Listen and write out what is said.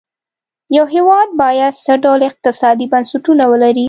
یو هېواد باید څه ډول اقتصادي بنسټونه ولري.